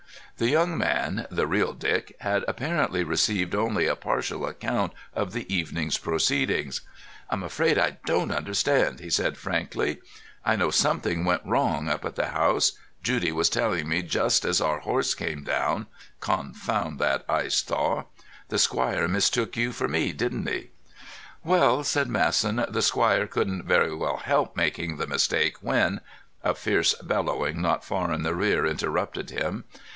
The young man—the real Dick—had apparently received only a partial account of the evening's proceedings. "I'm afraid I don't understand," he said frankly. "I know something went wrong up at the house—Judy was telling me just as our horse came down—confound that ice thaw! The squire mistook you for me, didn't he?" "Well," said Masson, "the squire couldn't very well help making the mistake when——" A fierce bellowing not far in the rear interrupted him.